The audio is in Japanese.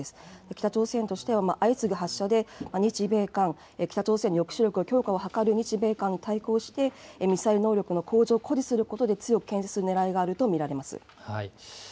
北朝鮮としては相次ぐ発射で、日米韓、北朝鮮に抑止力の向上を図る日米韓に対して、ミサイル能力の向上を誇示することで、強くけん制するねらいがあると見られます。